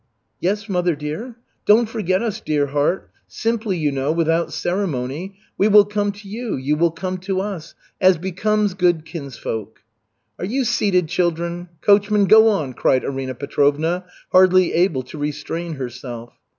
"Yes, mother dear. Don't forget us, dear heart. Simply, you know, without ceremony. We will come to you, you will come to us, as becomes good kinsfolk." "Are you seated, children? Coachman, go on!" cried Arina Petrovna, hardly able to restrain herself.